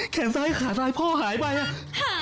ซ้ายขาซ้ายพ่อหายไปอ่ะ